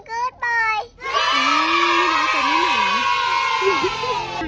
วิ่งกับผู้ชายแบ๊บบ่อย